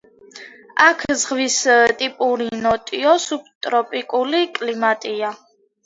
აქ ზღვის ტიპური, ნოტიო, სუბტროპიკული კლიმატია.